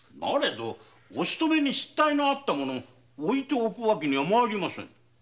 どお勤めに失態のあった者を置いておくわけには参りませぬ。